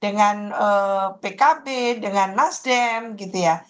dengan pkb dengan nasdem gitu ya